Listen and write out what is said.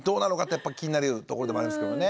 やっぱ気になるところでもありますけどね。